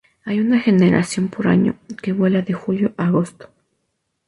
Hay una generación por año, que vuela de julio a agosto.